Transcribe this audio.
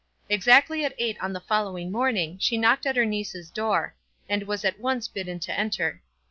Exactly at eight on the following morning she knocked at her niece's door, and was at once bidden to enter.